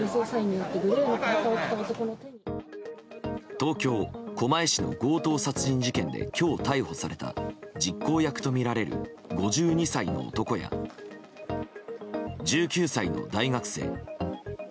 東京・狛江市の強盗殺人事件で今日逮捕された実行役とみられる５２歳の男や１９歳の大学生。